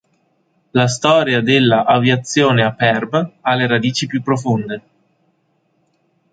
La storia della aviazione a Perm' ha le radici più profonde.